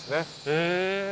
へえ。